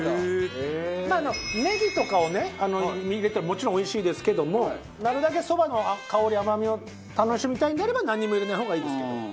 まあネギとかをね入れてももちろんおいしいですけどもなるだけそばの香り甘みを楽しみたいのであれば何も入れない方がいいですけど。